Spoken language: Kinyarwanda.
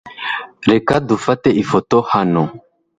Reka dufate ifoto hano .